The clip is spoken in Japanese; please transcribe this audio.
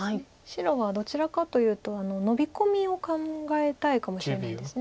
白はどちらかというとノビ込みを考えたいかもしれないです。